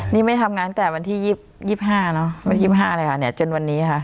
นี้ไม่ทำงานจนตั้งจนที่๒๕ดวันนี้นะคะ